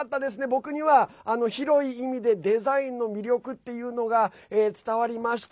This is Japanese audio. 僕には広い意味でデザインの魅力っていうのが伝わりました。